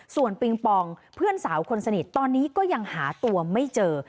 ส่วนปิงปองเพื่อนสาวคนสนิทตอนนี้ก็ยังหาตัวไม่เจอ